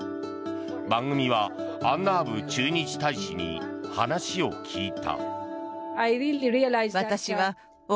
番組はアンナーブ駐日大使に話を聞いた。